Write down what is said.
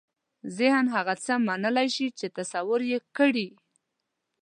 ذهن هغه څه منلای شي چې تصور یې کړي.